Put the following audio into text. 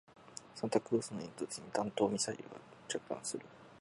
サンタクロースの煙突に弾道ミサイルが着弾する